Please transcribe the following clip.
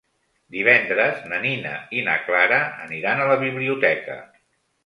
Divendres na Nina i na Clara aniran a la biblioteca.